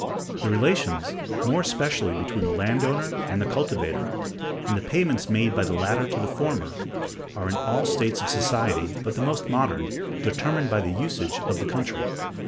The relations, more especially between the land owner and the cultivator, and the payments made by the latter to the former, are, in all states of society but the most modern, determined by the usage of the country.